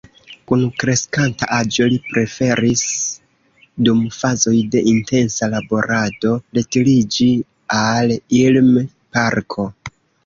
Kun kreskanta aĝo li preferis dum fazoj de intensa laborado retiriĝi al Ilm-parko.